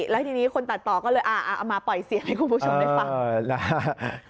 แล้วทีนี้คนตัดต่อก็เลยเอามาปล่อยเสียงให้คุณผู้ชมได้ฟัง